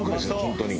本当に。